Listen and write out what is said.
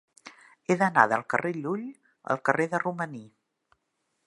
He d'anar del carrer de Llull al carrer de Romaní.